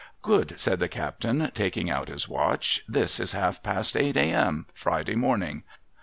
'dood,' said the captain, taking out his watch. 'This is half past eight A.M., Friday morning.